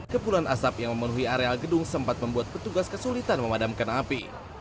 kepulan asap yang memenuhi area gedung sempat membuat petugas kesulitan memadamkan api